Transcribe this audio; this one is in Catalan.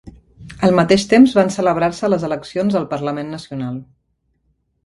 Al mateix temps van celebrar-se les eleccions al parlament nacional.